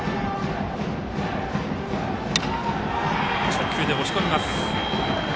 直球で押し込みます。